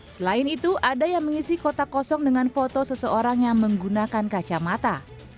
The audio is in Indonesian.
selain itu ada yang mengisi kotak kosong dengan foto seseorang yang menggunakan kacamata